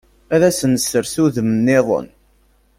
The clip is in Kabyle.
Ad s-nessers udem-nniḍen.